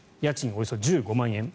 およそ１５万円。